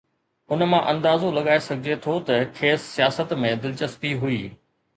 ان مان اندازو لڳائي سگهجي ٿو ته کيس سياست ۾ دلچسپي هئي.